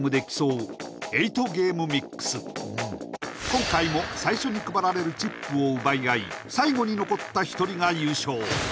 今回も最初に配られるチップを奪い合い最後に残った１人が優勝